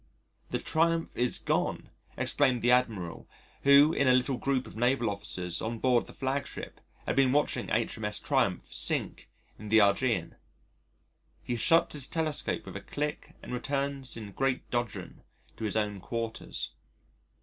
"The Triumph is gone," exclaimed the Admiral who in a little group of naval officers on board the flagship had been watching H.M.S. Triumph sink in the Ægean. He shuts his telescope with a click and returns in great dudgeon to his own quarters.